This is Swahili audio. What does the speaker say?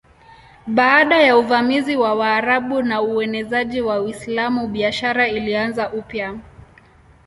Baada ya uvamizi wa Waarabu na uenezaji wa Uislamu biashara ilianza upya.